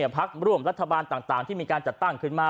พักร่วมรัฐบาลต่างที่มีการจัดตั้งขึ้นมา